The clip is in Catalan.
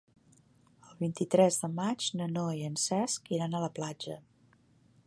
El vint-i-tres de maig na Noa i en Cesc iran a la platja.